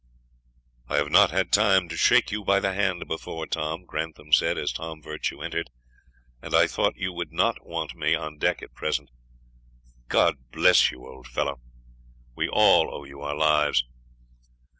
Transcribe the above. "I have not had time to shake you by the hand before, Tom," Grantham said, as Tom Virtue entered; "and I thought you would not want me on deck at present. God bless you, old fellow! We all owe you our lives."